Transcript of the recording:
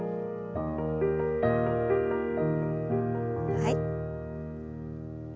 はい。